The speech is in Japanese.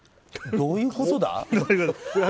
どういうことだ？